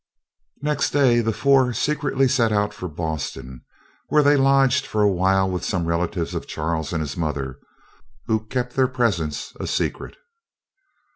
Next day the four secretly set out for Boston, where they lodged for awhile with some relatives of Charles and his mother, who kept their presence a secret.